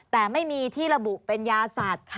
แต่ไม่มีที่ระบุเป็นยาสัตว์